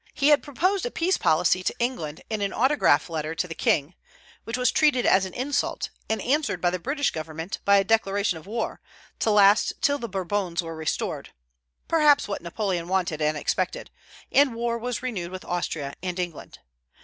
He had proposed a peace policy to England in an autograph letter to the King, which was treated as an insult, and answered by the British government by a declaration of war, to last till the Bourbons were restored, perhaps what Napoleon wanted and expected; and war was renewed with Austria and England.